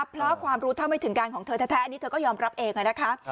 เพราะความรู้เท่าไม่ถึงการของเธอแท้อันนี้เธอก็ยอมรับเองนะคะ